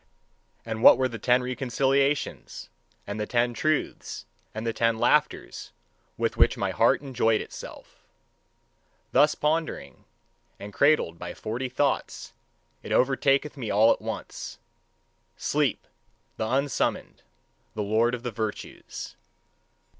And what were the ten reconciliations, and the ten truths, and the ten laughters with which my heart enjoyed itself? Thus pondering, and cradled by forty thoughts, it overtaketh me all at once sleep, the unsummoned, the lord of the virtues.